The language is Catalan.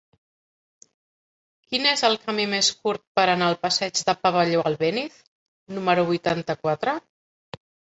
Quin és el camí més curt per anar al passeig del Pavelló Albéniz número vuitanta-quatre?